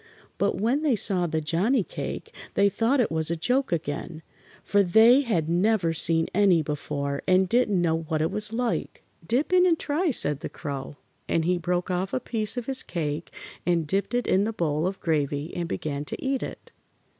But when they saw the Johnnie cake they thought it was a joke again, for they had never seen any before and didn't know what it was like. "Dip in and try," said the Crow, and he broke off a piece of his cake and dipped it in the bowl of gravy and began to eat it.